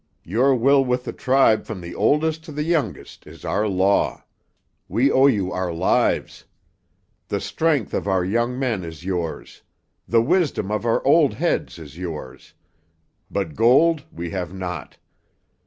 Your will with the tribe from the oldest to the youngest is our law. We owe you our lives. The strength of our young men is yours; the wisdom of our old heads is yours. But gold we have not.